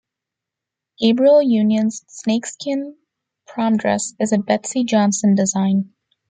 Gabrielle Union's snakeskin prom dress is a Betsey Johnson design.